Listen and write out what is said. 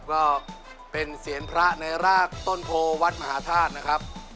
ก็เป็นเสียงพระในรากต้นโพวัดมหาธาตุนะครับ